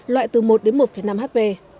loại từ một một năm hp